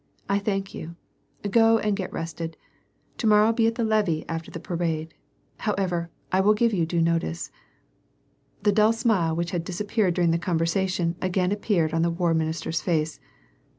I thank you ; go and get rested. To morrow be at the levee after the parade. However, I will give you due notice." * The dull smile which had disappeared during this conversar tion again appeared on the war minister's face.